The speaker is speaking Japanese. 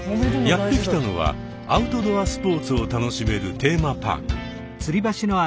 やって来たのはアウトドアスポーツを楽しめるテーマパーク。